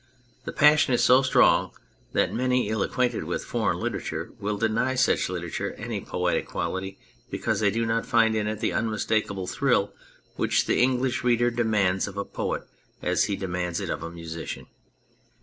The passion is so strong that many ill acquainted with foreign literature will deny such literature any poetic quality because they do not find in it the unmistak able thrill which the English reader demands of a poet as he demands it of a musician.